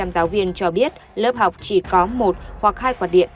bốn mươi sáu giáo viên cho biết lớp học chỉ có một hoặc hai quạt điện